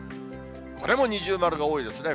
これも二重丸が多いですね。